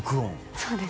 そうです